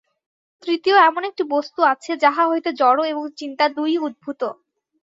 তৃতীয় এমন একটি বস্তু আছে, যাহা হইতে জড় এবং চিন্তা দুই-ই উদ্ভূত।